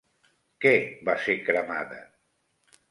Què va ser cremada?